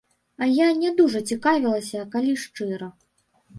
А я не дужа цікавілася, калі шчыра.